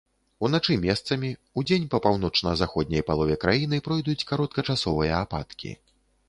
Уначы месцамі, удзень па паўночна-заходняй палове краіны пройдуць кароткачасовыя ападкі.